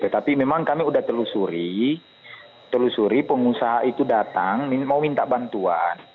tapi memang kami sudah telusuri telusuri pengusaha itu datang mau minta bantuan